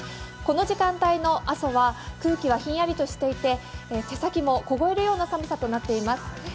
この時間帯の阿蘇は空気はひんやりとしていて、手先も凍えるような寒さとなっています。